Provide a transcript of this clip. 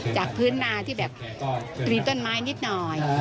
จากพื้นนาที่แบบมีต้นไม้นิดหน่อย